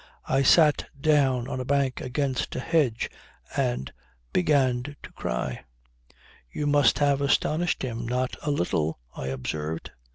I sat down on a bank against a hedge and began to cry." "You must have astonished him not a little," I observed.